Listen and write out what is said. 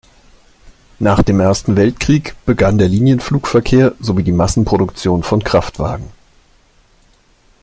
Nach dem Ersten Weltkrieg begann der Linienflugverkehr sowie die Massenproduktion von Kraftwagen.